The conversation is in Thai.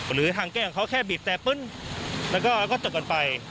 หรือทางแกล้งเขาแค่บีบแต่ปึ้งแล้วก็ตกกันไป